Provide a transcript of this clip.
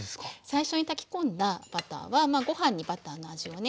最初に炊き込んだバターはご飯にバターの味をね